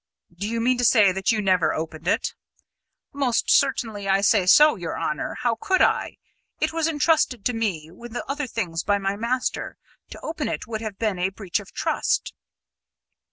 "Do you mean to say that you never opened it?" "Most certainly I say so, your honour. How could I? It was entrusted to me with the other things by my master. To open it would have been a breach of trust."